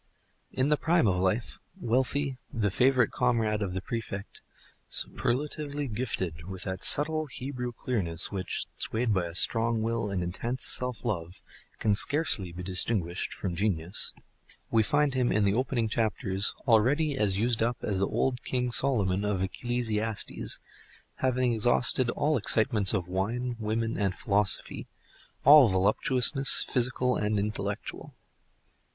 In the prime of life, wealthy, the favorite comrade of the Prefect, superlatively gifted with that subtle Hebrew clearness, which, swayed by a strong will and intense self love, can scarcely be distinguished from genius, we find him in the opening chapters already as used up as the old King Solomon of Ecclesiastes, having exhausted all excitements of wine, women, and philosophy, all voluptuousness, physical and intellectual.